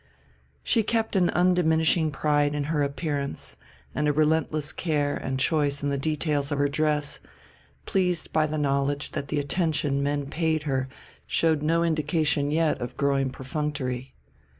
She kept an undiminishing pride in her appearance and a relentless care and choice in the details of her dress, pleased by the knowledge that the attention men paid her showed no indication yet of growing perfunctory.